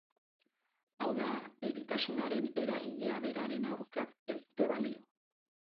Hau da, eritasunaren eragilea beraren aurka ez dute balio.